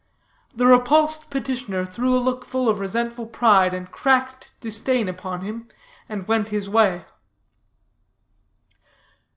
The repulsed petitioner threw a look full of resentful pride and cracked disdain upon him, and went his way.